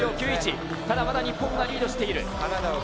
ただまだ日本がリードしている。